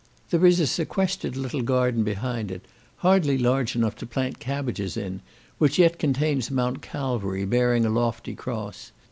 There is a sequestered little garden behind it, hardly large enough to plant cabbages in, which yet contains a Mount Calvary, bearing a lofty cross.